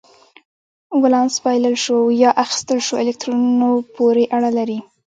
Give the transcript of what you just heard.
ولانس بایلل شوو یا اخیستل شوو الکترونونو پورې اړه لري.